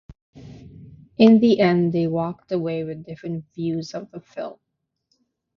In the end, they walked away with different views of the film.